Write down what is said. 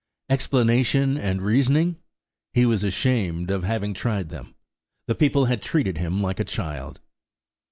Explanation and reasoning!–he was ashamed of having tried them. The people had treated him like a child.